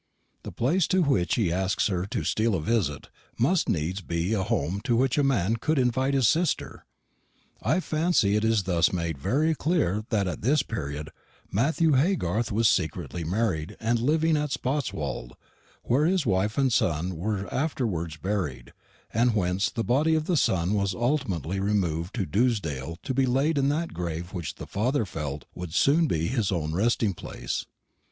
The place to which he asks her to "steal a visit" must needs be a home to which a man could invite his sister. I fancy it is thus made very clear that at this period Matthew Haygarth was secretly married and living at Spotswold, where his wife and son were afterwards buried, and whence the body of the son was ultimately removed to Dewsdale to be laid in that grave which the father felt would soon be his own resting place.